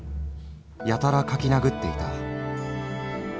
やたら描きなぐっていた。